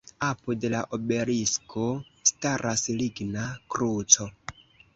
Apud la obelisko staras ligna kruco.